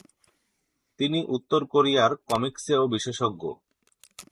তিনি উত্তর কোরিয়ার কমিকসেও বিশেষজ্ঞ।